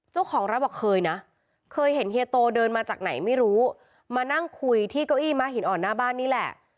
เจ้าของร้านบอกเคยนะเคยเห็นเฮียโตเดินมาจากไหนไม่รู้มานั่งคุยที่เก้าอี้ม้าหินอ่อนหน้าบ้านนี่แหละ